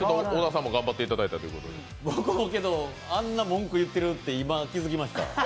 僕もあんな文句言ってるって気が付きました。